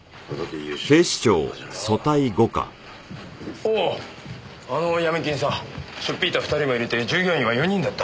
おおあのヤミ金さあしょっ引いた２人も入れて従業員は４人だった。